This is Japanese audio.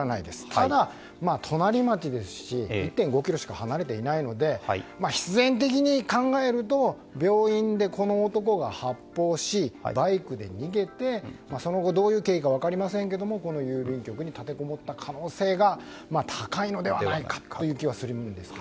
ただ、隣町ですし１．５ｋｍしか離れていないので必然的に考えると病院で、この男が発砲しバイクで逃げて、その後どういう経緯かは分かりませんがこの郵便局に立てこもった可能性が高いのではないかという気はするんですが。